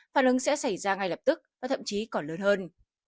phản ứng sẽ xảy ra ngay lập tức và thậm chí còn lớn hơn